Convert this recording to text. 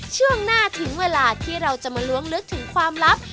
ช่วงหน้าถึงเวลาที่เราจะมาล้วงลึกถึงความลับ